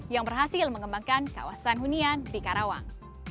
yang berhasil mengembangkan kawasan hunian di karawang